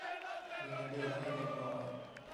มีเงินเดือนให้เล็กน้อย